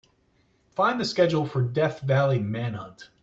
Find the schedule for Death Valley Manhunt.